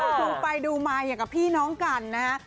ดูไปดูมาอย่างกับพี่น้องกันนะฮะ